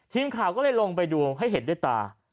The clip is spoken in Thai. ทีมข่าวก็เลยลงไปดูให้เห็นด้วยตา